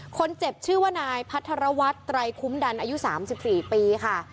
คนเจ็บชื่อว่านายพัทรวัทธ์ไตรคุ้มดันอายุสามสิบสี่ปีค่ะ